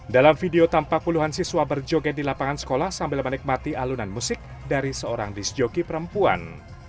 dalam video tampak puluhan siswa berjoget di lapangan sekolah sambil menikmati alunan musik dari seorang disjoki perempuan